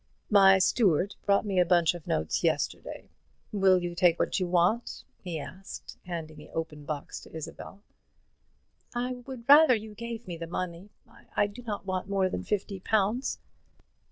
"My steward brought me a bundle of notes yesterday. Will you take what you want?" he asked, handing the open box to Isabel. "I would rather you gave me the money; I do not want more than fifty pounds."